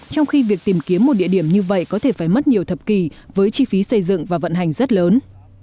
trong khi việc tìm kiếm một địa điểm như vậy có thể phải mất nhiều thập kỷ với chi phí xây dựng và vận hành rất lớn